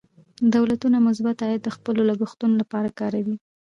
دولتونه مثبت عاید د خپلو لګښتونو لپاره کاروي.